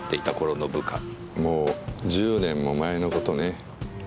もう１０年も前の事ね。